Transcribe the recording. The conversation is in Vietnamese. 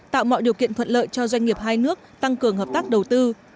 tạo mọi điều kiện thuận lợi cho doanh nghiệp hai nước tăng cường hợp tác đầu tư